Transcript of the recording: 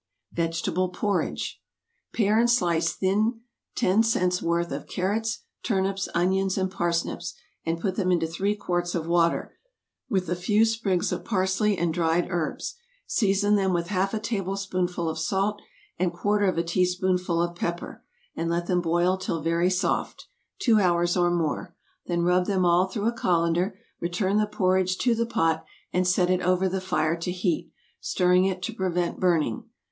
=Vegetable Porridge.= Pare and slice thin ten cents' worth of carrots, turnips, onions, and parsnips, and put them into three quarts of water, with a few sprigs of parsley and dried herbs; season them with half a tablespoonful of salt, and quarter of a teaspoonful of pepper, and let them boil till very soft, two hours or more; then rub them all through a colander, return the porridge to the pot, and set it over the fire to heat, stirring it to prevent burning.